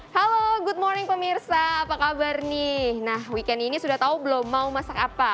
halo good morning pemirsa apa kabar nih nah weekend ini sudah tahu belum mau masak apa